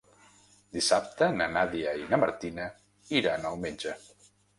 Dissabte na Nàdia i na Martina iran al metge.